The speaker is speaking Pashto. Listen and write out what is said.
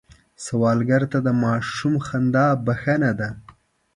سوالګر ته د ماشوم خندا بښنه ده